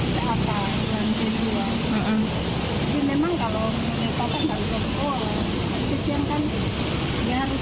jadi memang kalau kota nggak bisa sekolah artisian kan dia harus